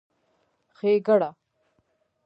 ښېګړه